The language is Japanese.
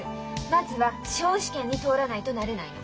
まずは司法試験に通らないとなれないの。